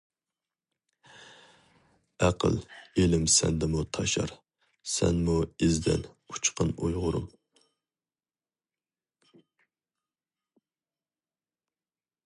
ئەقىل-ئىلىم سەندىمۇ تاشار، سەنمۇ ئىزدەن، ئۇچقىن ئۇيغۇرۇم.